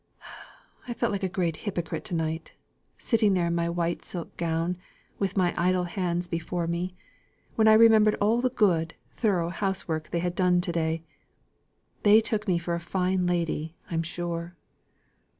I felt like a great hypocrite to night, sitting there in my white silk gown, with my idle hands before me, when I remembered all the good, thorough, house work they had done to day. They took me for a fine lady, I'm sure."